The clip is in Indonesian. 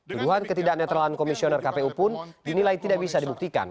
tuduhan ketidakneutralan komisioner kpu pun dinilai tidak bisa dibuktikan